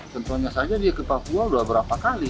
tentunya saja dia ke papua beberapa kali